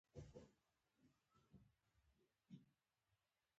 انګلیسي د کتاب لیکلو ژبه ده